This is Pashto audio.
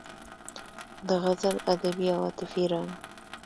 د غزل ادبي او عاطفي رنګ